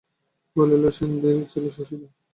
বলিল, সেনদিদির ছেলে শশীদাদা।